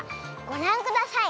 ごらんください。